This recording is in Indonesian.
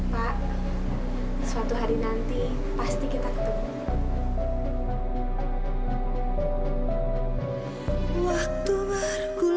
pak suatu hari nanti pasti kita ketemu